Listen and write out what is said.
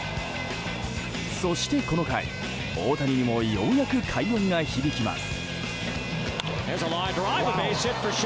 そしてこの回、大谷にもようやく快音が響きます。